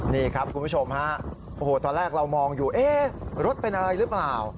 นี่ครับคุณผู้ชมฮะโอ้โหตอนแรกเรามองอยู่เอ๊ะรถเป็นอะไรหรือเปล่า